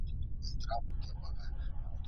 هر هیواد غښتلي اقتصاد ته اړتیا لري.